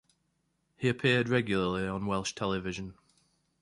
He appeared regularly on Welsh television.